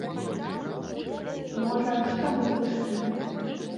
Можа, што вы надышлі?